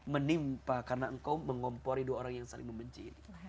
menimpa karena engkau mengompori dua orang yang saling membenci ini